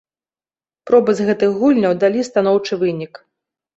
Пробы з гэтых гульняў далі станоўчы вынік.